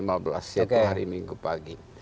jadi hari minggu pagi